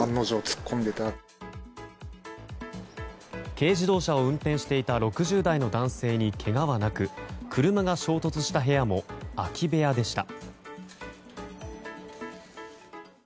軽自動車を運転していた６０代の男性に、けがはなく車が衝突した部屋も空き部屋でした。